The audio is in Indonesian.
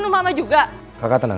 tapi dia merasakan ka characteristics